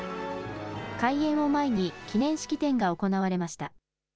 開園を前に、記念式典が行われました。